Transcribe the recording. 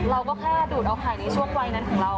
เราก็แค่ดูดเอาไข่ในช่วงวัยนั้นของเรา